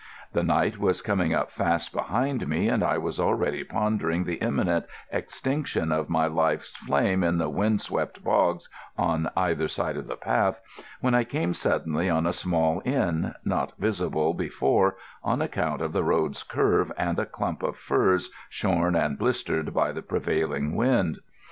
The night was coming up fast behind me, and I was already pondering the imminent extinction of my life's flame in the wind swept bogs on either side of the path, when I came suddenly on a small inn, not visible before on account of the road's curve and a clump of firs shorn and blistered by the prevailing wind.